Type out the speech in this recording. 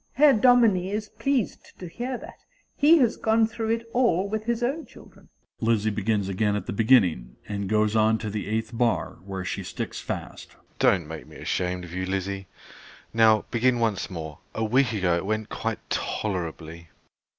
Herr Dominie is pleased to hear that: he has gone through it all with his own children. (Lizzie begins again at the beginning, and goes on to the eighth bar, where she sticks fast.) SHEPARD. Don't make me ashamed of you, Lizzie. Now begin once more: a week ago it went quite tolerably.